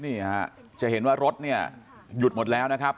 นี่ฮะจะเห็นว่ารถเนี่ยหยุดหมดแล้วนะครับ